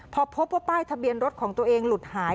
พอพบว่าป้ายทะเบียนรถของตัวเองหลุดหาย